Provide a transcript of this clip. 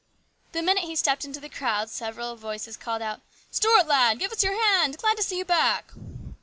The minute he stepped into the crowd several voices called out, " Stuart, lad, give us your hand ! Glad to see you back